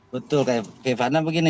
betul kak ivana begini